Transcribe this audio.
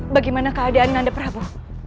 bagaimana keadaan anda prabu